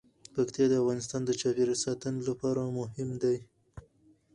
پکتیا د افغانستان د چاپیریال ساتنې لپاره مهم دي.